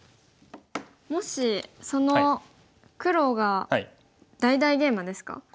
もしその黒が大々ゲイマですか。